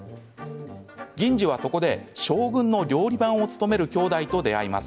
銀次は、そこで将軍の料理番を務めるきょうだいと出会います。